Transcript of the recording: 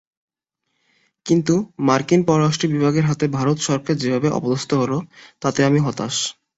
কিন্তু মার্কিন পররাষ্ট্র বিভাগের হাতে ভারত সরকার যেভাবে অপদস্ত হলো, তাতে আমি হতাশ।